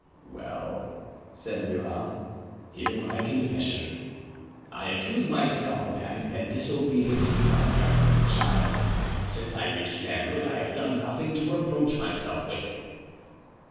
"Well," said Murat, "hear my confession. I accuse myself of having been disobedient to my parents as a child. Since I reached manhood I have done nothing to reproach myself with."